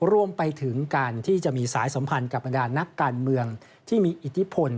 รวมไปถึงการที่จะมีสายสัมพันธ์กับบรรดานักการเมืองที่มีอิทธิพล